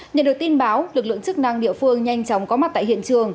nhận được tin báo lực lượng chức năng địa phương nhanh chóng có mặt tại hiện trường